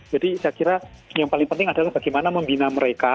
jadi saya kira yang paling penting adalah bagaimana membina mereka